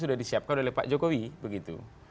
sudah disiapkan oleh pak jokowi begitu